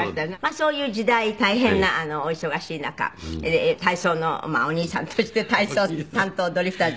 そういう時代大変なお忙しい中体操のお兄さんとして体操担当ドリフターズで。